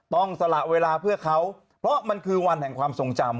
สละเวลาเพื่อเขาเพราะมันคือวันแห่งความทรงจำ